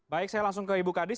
baik saya langsung ke ibu kadis